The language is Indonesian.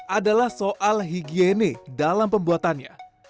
adalah soal higiene dalam pembuatannya